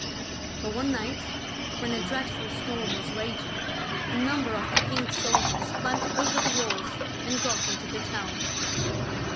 But one night, when a dreadful storm was raging, a number of the king's soldiers climbed over the walls and got into the town.